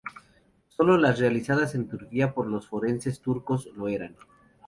Sólo las realizadas en Turquía por los forenses turcos lo eran.